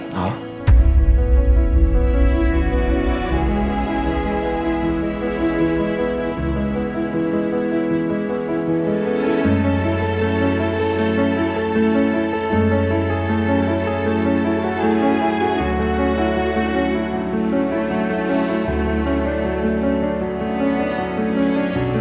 di dimana ini